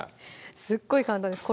すっごい簡単です